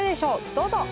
どうぞ！